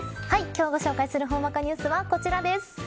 今日、ご紹介するほんわかニュースはこちらです。